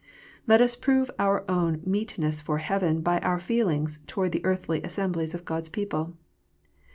Let us prove our own meet ness for heaven by our feelings toward the earthly assemblies of God s people.